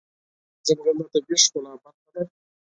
ځنګل د طبیعي ښکلا برخه ده.